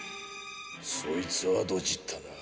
そいつはドジったな。